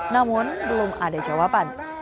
namun belum ada jawaban